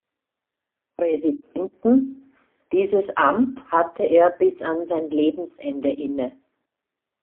Präsidenten; dieses Amt hatte er bis an sein Lebensende inne.